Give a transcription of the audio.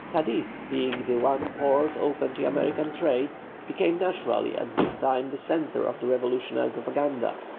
Cadiz being the one port open to American trade, became naturally at this time the centre of the revolutionary propaganda.